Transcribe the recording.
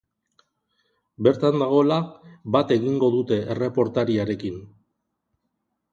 Bertan dagoela bat egingo dute erreportariarekin.